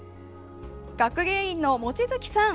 学芸員の望月さん。